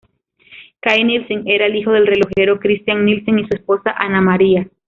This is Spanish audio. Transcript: Kai Nielsen era el hijo del relojero Christian Nielsen y su esposa Anna Maria.